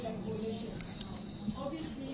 ท่านจะให้ชื่อพ่อแสนที่คิดนี้